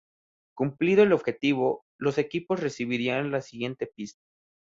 Cumplido el objetivo, los equipos recibirían la siguiente pista.